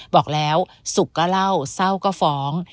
บอกแล้วสุขก็เล่าเศร้าก็ฟ้อง